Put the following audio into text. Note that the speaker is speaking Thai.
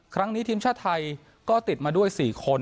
ครั้งนี้ทีมชาติไทยก็ติดมาด้วย๔คน